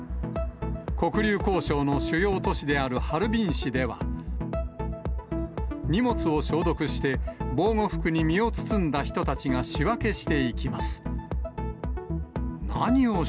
黒竜江省の主要都市であるハルビン市では、荷物を消毒して、防護服に身を包んだ人たちが仕分けしていきます。